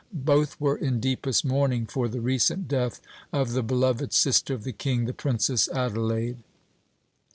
Both were in deepest mourning for the recent death of the beloved sister of the King, the Princess Adelaide.